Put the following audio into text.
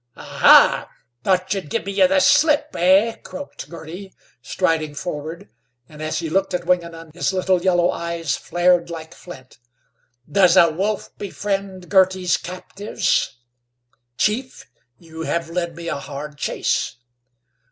"Ah huh! Thought you'd give me the slip, eh?" croaked Girty, striding forward, and as he looked at Wingenund his little, yellow eyes flared like flint. "Does a wolf befriend Girty's captives? Chief you hev led me a hard chase."